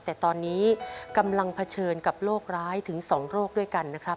แต่ตอนนี้กำลังเผชิญกับโรคร้ายถึง๒โรคด้วยกันนะครับ